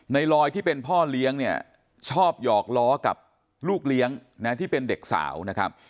ในลอยที่เป็นพ่อเลี้ยงเนี่ยชอบหยอกล้อกับลูกเลี้ยงนะที่เป็นเด็กสาวนะครับ